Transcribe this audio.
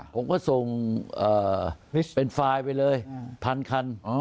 ผมก็ส่งเป็นไฟล์ไปเลยพันคัน